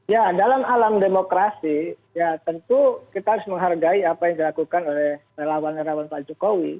ya dalam alam demokrasi ya tentu kita harus menghargai apa yang dilakukan oleh relawan relawan pak jokowi